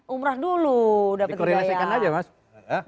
umrah dulu mendapatkan hidayah